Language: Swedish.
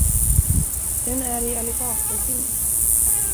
Den är i alligatorskinn.